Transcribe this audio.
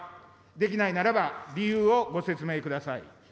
できないならば、理由をご説明ください。